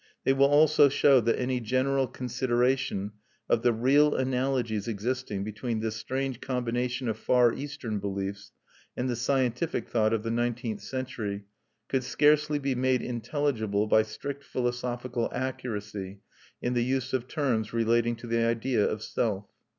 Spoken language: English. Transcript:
They will also show that any general consideration of the real analogies existing between this strange combination of Far Eastern beliefs and the scientific thought of the nineteenth century could scarcely be made intelligible by strict philosophical accuracy in the use of terms relating to the idea of self.